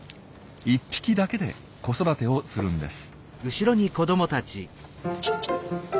１匹だけで子育てをするんです。